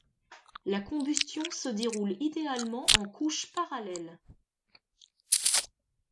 La combustion se déroule idéalement en couches parallèles.